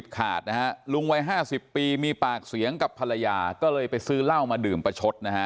ขาดอ้ายน้อย๕๐ปีมีปาร์กเษียงกับภรรยาไปซื้อเหล้ามาดื่มประชด